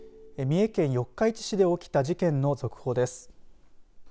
三重県四日市市で起きた事件の続報です。